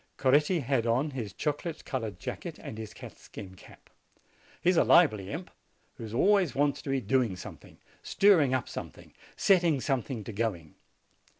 Coretti had on his chocolate colored jacket and his catskin cap. He is a lively imp, who always wants to be doing some thing, stirring up something, setting something to go ing.